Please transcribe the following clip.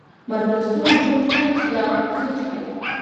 Мардасоу игәы рҭынч даақәыԥсычҳаит.